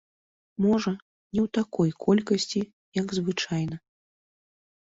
Можа, не ў такой колькасці, як звычайна.